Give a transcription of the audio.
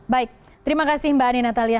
baik terima kasih mbak ani natalia